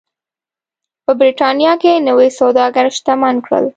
په برېټانیا کې نوي سوداګر شتمن کړل.